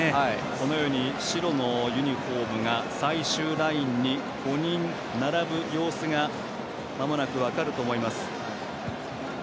白いユニフォームが最終ラインに５人並ぶ様子がまもなく分かると思います。